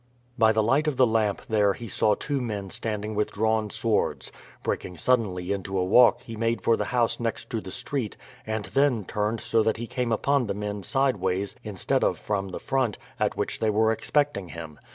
By the light of the lamp there he saw two men standing with drawn swords. Breaking suddenly into a walk he made for the house next to the street, and then turned so that he came upon the men sideways instead of from the front, at which they were expecting him.